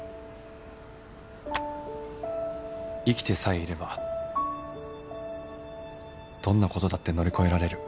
生きてさえいればどんな事だって乗り越えられる